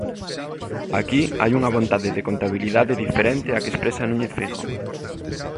Aquí hai unha vontade de contabilidade diferente á que expresa Núñez Feijóo.